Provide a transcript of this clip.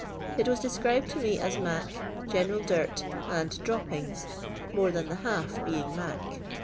It was described to me as mac, general dirt, and drop pings, more than the half being " mac."